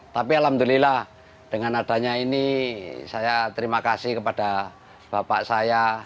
tapi alhamdulillah dengan adanya ini saya terima kasih kepada bapak saya